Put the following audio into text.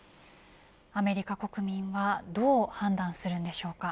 アメリカ国民はどう判断するのでしょうか。